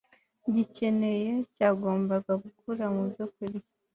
gikeneye cyagombaga gukura mu byokurya